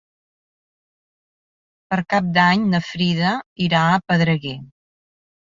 Per Cap d'Any na Frida irà a Pedreguer.